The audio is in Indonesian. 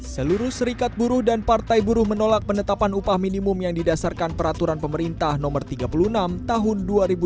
seluruh serikat buruh dan partai buruh menolak penetapan upah minimum yang didasarkan peraturan pemerintah no tiga puluh enam tahun dua ribu dua puluh